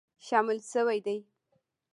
شامل شوي دي